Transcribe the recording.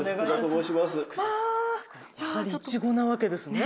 やはりいちごなわけですね。